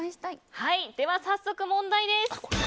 では早速、問題です。